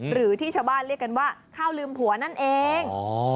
หรือที่ชาวบ้านเรียกกันว่าข้าวลืมผัวนั่นเอง